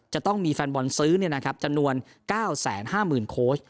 จะต้องมีแฟนบอลซื้อเนี่ยนะครับจำนวนเก้าแสนห้ามื่นโค้ช